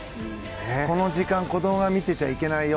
この時間子供は見てちゃいけないよ。